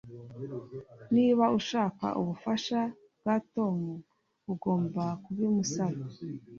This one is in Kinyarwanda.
Niba ushaka ubufasha bwa Tom ugomba kubimusaba